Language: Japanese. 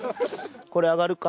これ上がるか？